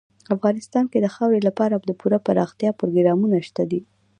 افغانستان کې د خاورې لپاره پوره دپرمختیا پروګرامونه شته دي.